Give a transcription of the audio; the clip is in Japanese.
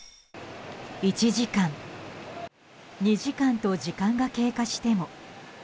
１時間、２時間と時間が経過しても。